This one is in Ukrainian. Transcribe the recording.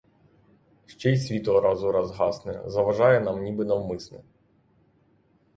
Ще й світло раз у раз гасне, заважає нам ніби навмисне.